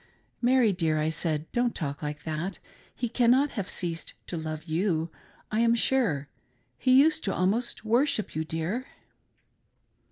"Mary dear," I said, "Don't talk like that — he cannot have ceased to love you, I am sure ; he used to almost worship you, dear."